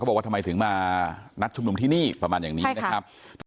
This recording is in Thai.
บอกว่าทำไมถึงมานัดชุมนุมที่นี่ประมาณอย่างนี้นะครับ